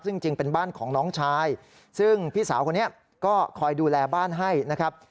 ซึ่งจริงเป็นบ้านของน้องชายซึ่งพี่สาวคนนี้ก็คอยดูแลบ้านให้นะครับ